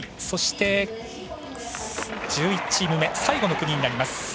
そして、１１チーム目最後の国になります。